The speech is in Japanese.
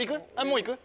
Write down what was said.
もう行く？